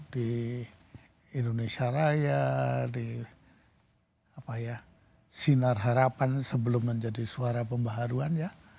di indonesia raya di sinar harapan sebelum menjadi suara pembaharuan ya